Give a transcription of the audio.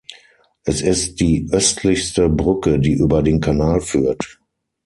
Es ist die östlichste Brücke, die über den Kanal führt.